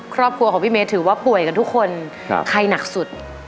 ครอบครัวของพี่เมสถือว่าป่วยกันทุกคนไข้หนักสุด